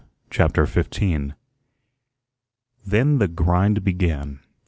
CHAPTER 15 Then the grind began.